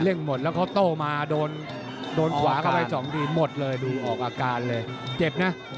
หมดแล้วเขาโต้มาโดนขวาเข้าไปสองทีหมดเลยดูออกอาการเลยเจ็บนะ